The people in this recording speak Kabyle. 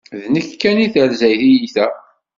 D nekk kan i terza tyita!